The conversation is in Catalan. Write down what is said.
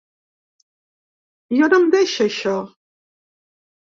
I on em deixa, això?